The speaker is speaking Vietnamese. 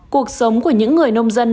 cuộc sống của những người nông dân